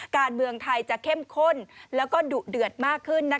การเมืองไทยจะเข้มข้นแล้วก็ดุเดือดมากขึ้น